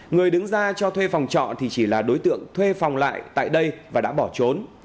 người đứng ra cho thuê phòng trọ thì chỉ là đối tượng thuê phòng lại tại đây và đã bỏ trốn